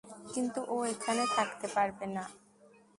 কিন্তু ও এখানে থাকতে পারবে না।